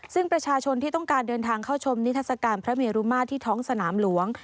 ซึ่งประชาชนที่ต้องการเดินทางเข้าชมนิทัศกาลพระเมรุมาตรที่ท้องสนามหลวง